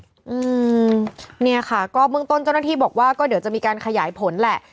อืมเนี่ยค่ะก็เบื้องต้นเจ้าหน้าที่บอกว่าก็เดี๋ยวจะมีการขยายผลแหละ